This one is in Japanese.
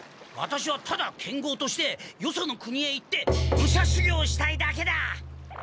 ワタシはただ剣豪としてよその国へ行って武者修行したいだけだ！